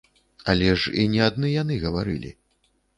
Але ж і не адны яны гаварылі.